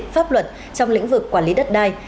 pháp luật trong lĩnh vực quản lý đất đai